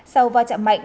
sau va chạm mạnh